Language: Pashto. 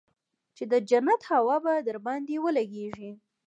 چې د جنت هوا به درباندې ولګېږي.